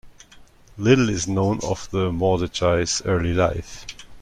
Little is known of the Mordechai's early life.